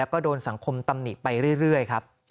ก็โดนสังคมตำหนิไปเรื่อยครับ